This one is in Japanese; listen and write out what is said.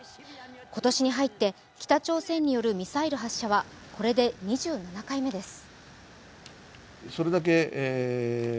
今年に入って北朝鮮によるミサイル発射はこれで２７回目です。